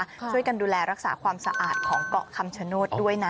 ช่วยกันดูแลรักษาความสะอาดของเกาะคำชโนธด้วยนะ